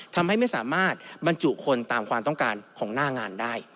ทำให้ไม่สามารถบรรจุคนตามความต้องการของหน้างานได้